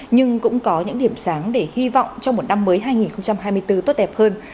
nhưng cũng có những điểm sáng để hy vọng cho một năm mới hai nghìn hai mươi bốn tốt đẹp hơn